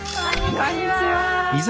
こんにちは。